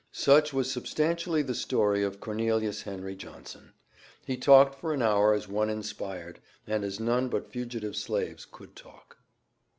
Such was substantially the story of Cornelius Henry Johnson. He talked for an hour as one inspired, and as none but fugitive slaves could talk.